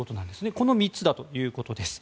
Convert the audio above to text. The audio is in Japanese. この３つだということです。